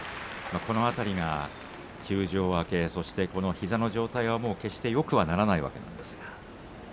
この辺りが休場明けそして、膝の状態が決してよくはならないわけですからね。